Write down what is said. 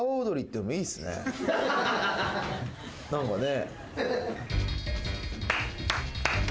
何かね。